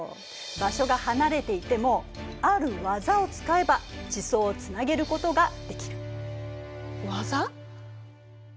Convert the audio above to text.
場所が離れていてもある技を使えば地層をつなげることができる。技？